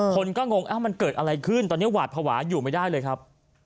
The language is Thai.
คนก็งงมันเกิดอะไรขึ้นตอนนี้หวาดภาวะอยู่ไม่ได้เลยครับ